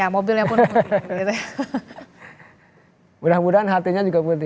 mudah mudahan hatinya juga putih